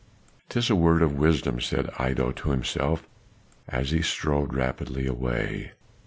"'Tis a word of wisdom," said Iddo to himself, as he strode rapidly away.